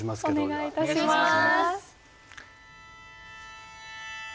お願い致します。